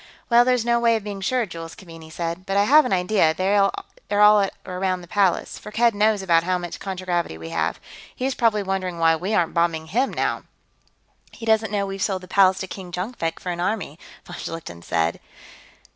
"Well, there's no way of being sure," Jules Keaveney said, "but I have an idea they're all at or around the Palace. Firkked knows about how much contragravity we have. He's probably wondering why we aren't bombing him, now." "He doesn't know we've sold the Palace to King Jonkvank for an army," von Schlichten said.